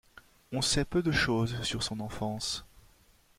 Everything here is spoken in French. On sait peu de chose sur son enfance.